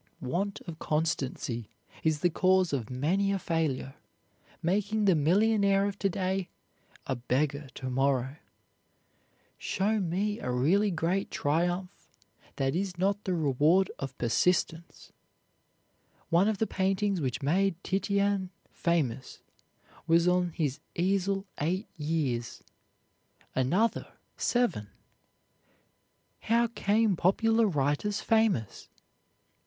Want of constancy is the cause of many a failure, making the millionaire of to day a beggar to morrow. Show me a really great triumph that is not the reward of persistence. One of the paintings which made Titian famous was on his easel eight years; another, seven. How came popular writers famous?